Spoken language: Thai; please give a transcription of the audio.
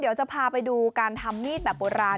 เดี๋ยวจะพาไปดูการทำมีดแบบโบราณ